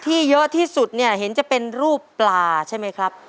เยอะที่สุดเนี่ยเห็นจะเป็นรูปปลาใช่ไหมครับ